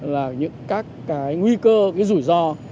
là những các cái nguy cơ cái rủi ro